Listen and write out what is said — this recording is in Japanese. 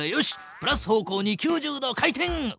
プラス方向に９０度回転！